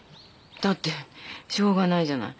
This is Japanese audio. だってしょうがないじゃない。